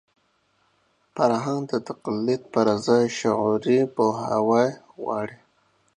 فرهنګ د تقلید پر ځای شعوري پوهاوی غواړي.